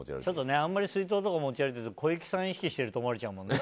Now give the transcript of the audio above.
あんまり水筒とか持ち歩いてると小雪さん意識してると思われちゃうからね。